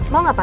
mau gak pak